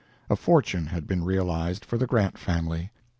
A fortune had been realized for the Grant family.